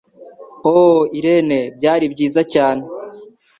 Oh Irene, byari byiza cyane